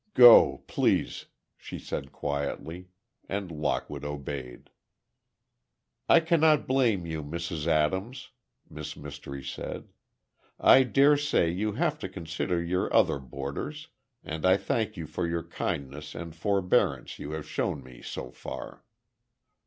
"Go, please," she said, quietly, and Lockwood obeyed. "I cannot blame you, Mrs. Adams," Miss Mystery said; "I daresay you have to consider your other boarders, and I thank you for your kindness and forbearance you have shown me so far."